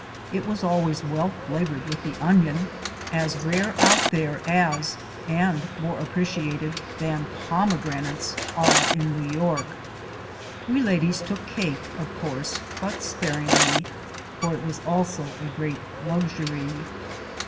It was always well flavored with the onion, as rare out there, and more appreciated than pomegranates are in New York. We ladies took cake, of course, but sparingly, for it was also a great luxury.